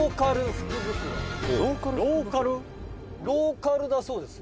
「ローカルだそうですよ」